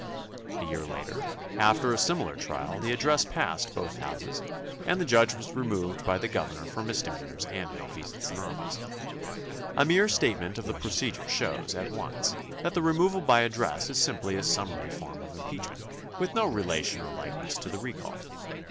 A year later, after a similar trial, the address passed both houses and the judge was removed by the governor for misdemeanors and malfeasance in office. A mere statement of the procedure shows at once that the removal by address is simply a summary form of im peachment with no relation or likeness to the recall.